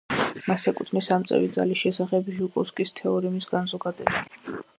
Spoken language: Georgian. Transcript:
მას ეკუთვნის ამწევი ძალის შესახებ ჟუკოვსკის თეორემის განზოგადება.